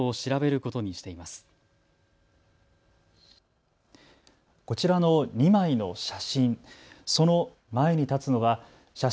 こちらの２枚の写真。